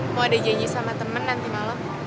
mau ada janji sama teman nanti malam